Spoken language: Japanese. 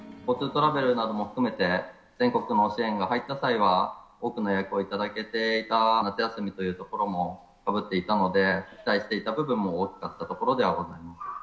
ＧｏＴｏトラベルなども含めて、全国の支援が入った際は、多くの予約を頂けていた、夏休みもかぶっていたので、期待していた部分も大きかったところではございます。